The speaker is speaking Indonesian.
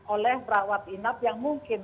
oleh rawat inap yang mungkin